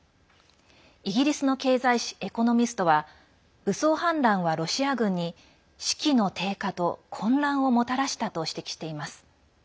イギリスの経済誌「エコノミスト」は、武装反乱はロシア軍に、士気の低下と混乱をもたらしたと指摘しています。